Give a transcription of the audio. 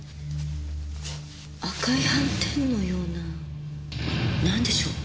赤い斑点のようななんでしょう？